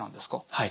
はい。